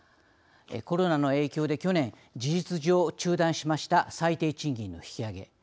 コロナの影響で去年事実上中断しました最低賃金の引き上げ。